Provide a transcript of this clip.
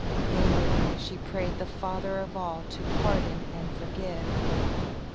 Inwardly, she prayed the Father of all to pardon and forgive.